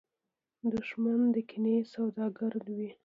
دښمن د کینې سوداګر وي